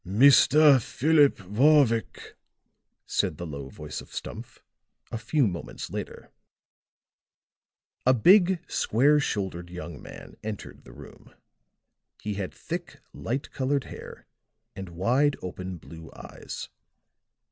"Mr. Philip Warwick," said the low voice of Stumph, a few moments later. A big, square shouldered young man entered the room; he had thick, light colored hair and wide open blue eyes.